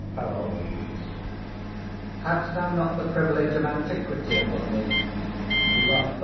PAROLLES. Hadst thou not the privilege of antiquity upon thee— LAFEW.